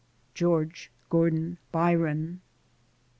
George Gordon Byron.